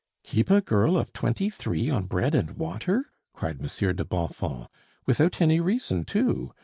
"Keep a girl of twenty three on bread and water!" cried Monsieur de Bonfons; "without any reason, too!